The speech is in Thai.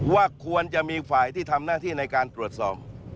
ว่าควรจะมีฝ่ายที่ทำหน้าที่ในการตรวจสอบ